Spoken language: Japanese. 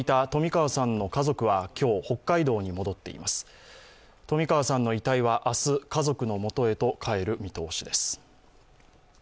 冨川さんの遺体は明日、家族の元へと帰る見通しです。